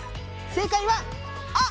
正解は「あ」！